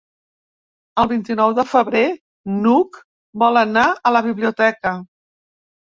El vint-i-nou de febrer n'Hug vol anar a la biblioteca.